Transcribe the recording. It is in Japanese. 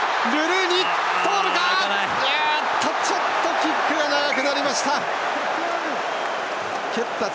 ちょっとキックが長くなりました。